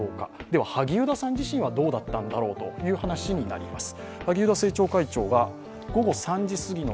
では、萩生田さん自身はどうだったんだろうという話になります。